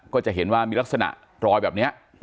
ก็จะเห็นว่ามีลักษณะรอยแบบนี้